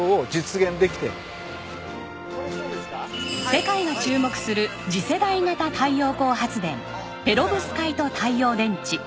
世界が注目する次世代型太陽光発電ペロブスカイト太陽電池。